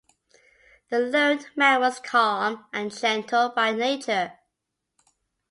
The learned man was calm and gentle by nature.